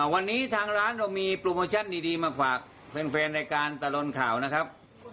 วันนี้ทางร้านเรามีโปรโมชั่นดีมาฝากแฟนรายการตลอดข่าวนะครับ